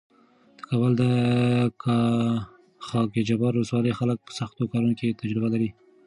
د کابل د خاکجبار ولسوالۍ خلک په سختو کارونو کې تجربه لري.